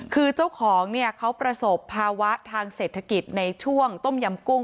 คือเจ้าของเนี่ยเขาประสบภาวะทางเศรษฐกิจในช่วงต้มยำกุ้ง